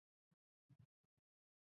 整个遗址分为采矿区和冶炼区。